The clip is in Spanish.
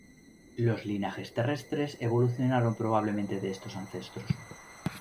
Los linajes terrestres evolucionaron probablemente de estos ancestros.